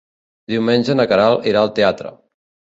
Diumenge na Queralt irà al teatre.